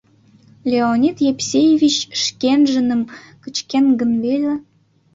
Леонид Епсеевич шкенжыным кычкен гын веле.